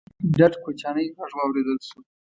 ډډ کوچيانی غږ واورېدل شو: